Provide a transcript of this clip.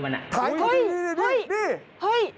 นั่นมันน่ะโอ้โฮไถนี่